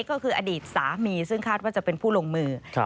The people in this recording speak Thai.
ก็คืออดีตสามีซึ่งคาดว่าจะเป็นผู้ลงมือ